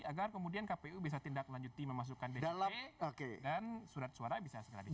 agar kemudian kpu bisa tindaklanjuti memasukkan dct dan surat suara bisa segera dicatat